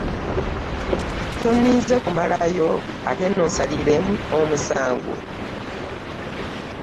Tonninze kumalayo ate n'onsalira omusango.